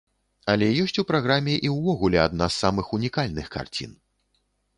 Але ёсць у праграме і ўвогуле адна з самых унікальных карцін.